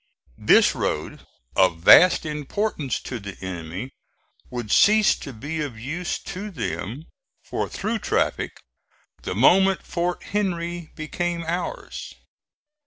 This road, of vast importance to the enemy, would cease to be of use to them for through traffic the moment Fort Henry became ours.